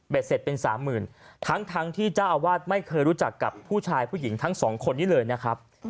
เสร็จเป็นสามหมื่นทั้งที่เจ้าอาวาสไม่เคยรู้จักกับผู้ชายผู้หญิงทั้งสองคนนี้เลยนะครับ